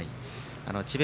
智弁